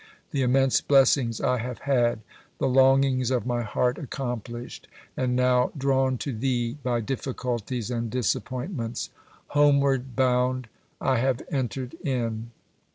The immense blessings I have had the longings of my heart accomplished and now drawn to Thee by difficulties and disappointments." "Homeward bound." "I have entered in."